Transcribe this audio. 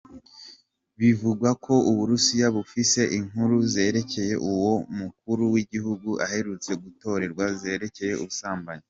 Bivugwa ko Uburusiya bufise inkuru zerekeye uwo mukuru w'igihugu aherutse gutorwa zerekeye ubusambanyi.